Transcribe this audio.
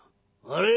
「あれ？